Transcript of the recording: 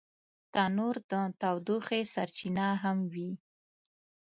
تنور د تودوخې سرچینه هم وي